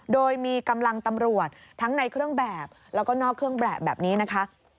โดยมีกำลังตำรวจทั้งในเครื่องแบบแล้วก็นอกเครื่องแบบแบบนี้นะคะ